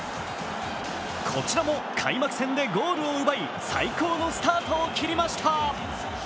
こちらも開幕戦でゴールを奪い、最高のスタートを切りました。